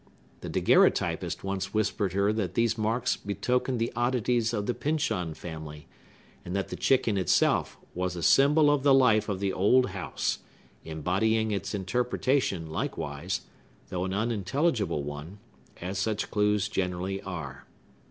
The daguerreotypist once whispered her that these marks betokened the oddities of the Pyncheon family, and that the chicken itself was a symbol of the life of the old house, embodying its interpretation, likewise, although an unintelligible one, as such clews generally are.